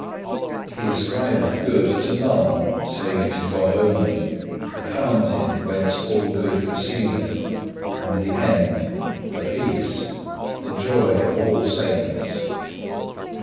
He ascribeth good to none save to God only, the Fountain whence all good proceedeth, and the End, the Peace, the joy of all Saints.